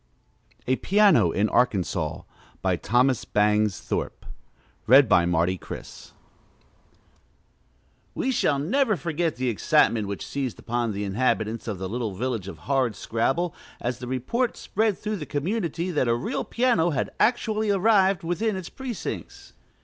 A PIANO IN ARKANSAS BY THOMAS BANGS THORPE We shall never forget the excitement which seized upon the inhabitants of the little village of Hardscrabble as the report spread through the community that a real piano had actually arrived within its precincts.